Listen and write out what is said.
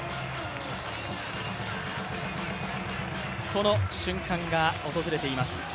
この瞬間が訪れています。